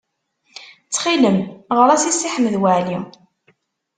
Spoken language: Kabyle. Ttxil-m, ɣer-as i Si Ḥmed Waɛli.